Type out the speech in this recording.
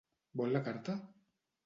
Vol la carta?